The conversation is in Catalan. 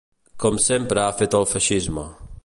Com sempre ha fet el feixisme.